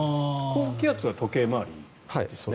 高気圧は時計回りですよね。